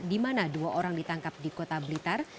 di mana dua orang ditangkap di kota blitar